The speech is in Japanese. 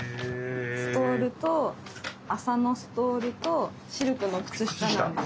ストールと麻のストールとシルクの靴下なんです。